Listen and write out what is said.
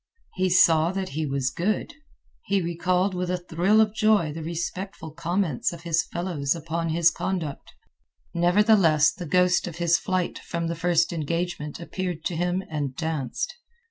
He saw that he was good. He recalled with a thrill of joy the respectful comments of his fellows upon his conduct. Nevertheless, the ghost of his flight from the first engagement appeared to him and danced.